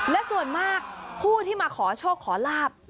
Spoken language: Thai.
และส่วนมากผู้ที่มาขอโชคขอลาบ